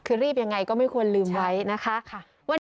คือรีบยังไงก็ไม่ควรลืมไว้นะคะ